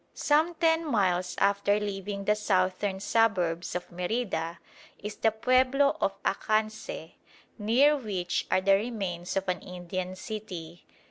Some ten miles after leaving the southern suburbs of Merida is the pueblo of Acanceh, near which are the remains of an Indian city.